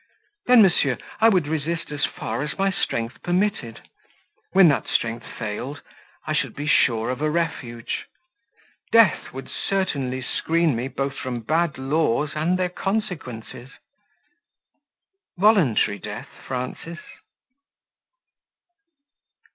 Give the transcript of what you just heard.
Then, monsieur, I would resist as far as my strength permitted; when that strength failed I should be sure of a refuge. Death would certainly screen me both from bad laws and their consequences." "Voluntary death, Frances?"